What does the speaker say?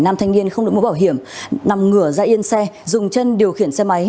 nam thanh niên không được mũ bảo hiểm nằm ngửa ra yên xe dùng chân điều khiển xe máy